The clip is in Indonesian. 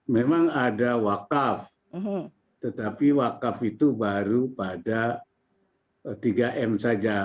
memang ada wakaf tetapi wakaf itu baru pada tiga m saja